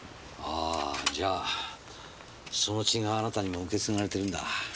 あじゃあその血があなたにも受け継がれてるんだ。